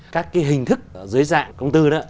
các cái hình thức dưới dạng công tư